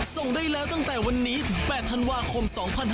ส่งได้แล้วตั้งแต่วันนี้ถึง๘ธันวาคม๒๕๖๒